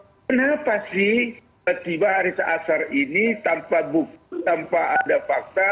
kenapa sih tiba tiba haris azhar ini tanpa buku tanpa ada fakta